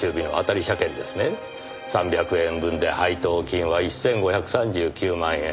３００円分で配当金は１５３９万円。